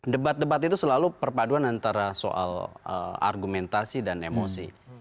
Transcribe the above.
debat debat itu selalu perpaduan antara soal argumentasi dan emosi